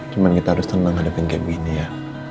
cuma kita harus tenang hadapin gabby ini ya